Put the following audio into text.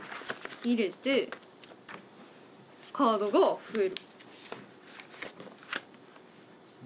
入れてカードが増える。